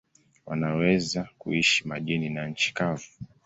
Wanaweza kuishi majini na nchi kavu.